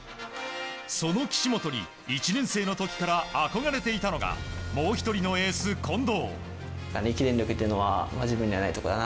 その岸本に１年生の時から憧れていたのがもう１人のエース、近藤。